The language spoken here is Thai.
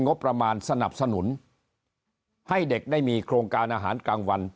งบประมาณสนับสนุนให้เด็กได้มีโครงการอาหารกลางวัน